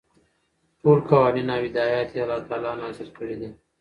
ټول قوانين او هدايات يي الله تعالى نازل كړي دي ،